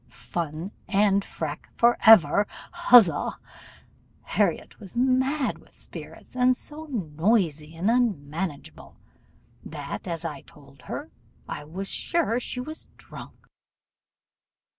Fun and Freke for ever, huzza!' Harriot was mad with spirits, and so noisy and unmanageable, that, as I told her, I was sure she was drunk.